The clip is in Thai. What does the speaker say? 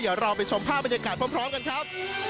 เดี๋ยวเราไปชมภาพบรรยากาศพร้อมกันครับ